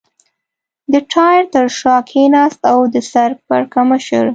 د ټایر تر شا کېناست او د سر پړکمشر.